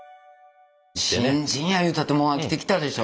新人やいうたってもう飽きてきたでしょ？